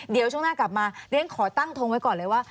เดี๋ยวช่วงหน้ากลับมาเรียนขอตั้งทงไว้ก่อนเลยว่า